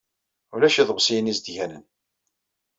Ulac iḍebsiyen izedganen.